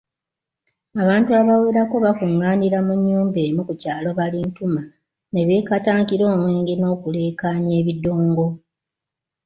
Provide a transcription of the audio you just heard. Abantu abawerako bakungaanira mu nnyumba emu ku kyalo Balintuma ne beekatankira omwenge n’okuleekanya ebidongo.